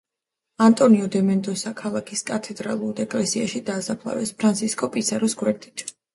ანტონიო დე მენდოსა ქალაქის კათედრალურ ეკლესიაში დაასაფლავეს, ფრანსისკო პისაროს გვერდით.